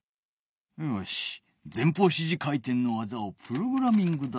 よし前方支持回転の技をプログラミングだ。